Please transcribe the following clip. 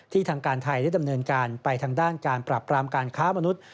ทางการไทยได้ดำเนินการไปทางด้านการปรับปรามการค้ามนุษย์